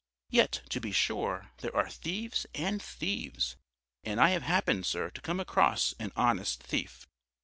Yet, to be sure, there are thieves and thieves. And I have happened, sir, to come across an honest thief."